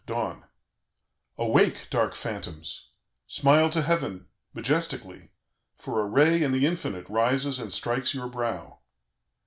DAWN "Awake, dark phantoms! smile to heaven, majestically, for a ray in the Infinite rises and strikes your brow.